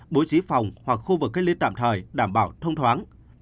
bố trí phòng hoặc khu vực cách ly tạm thời đảm bảo thông thoáng